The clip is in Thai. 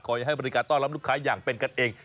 ให้บริการต้อนรับลูกค้าอย่างเป็นกันเอง